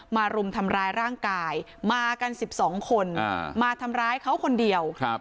รุมทำร้ายร่างกายมากัน๑๒คนมาทำร้ายเขาคนเดียว